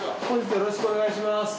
よろしくお願いします。